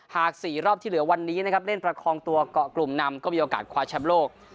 ๔รอบที่เหลือวันนี้นะครับเล่นประคองตัวเกาะกลุ่มนำก็มีโอกาสคว้าแชมป์โลก